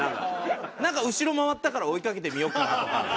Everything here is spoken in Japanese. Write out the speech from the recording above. なんか後ろ回ったから追いかけてみようかなとか。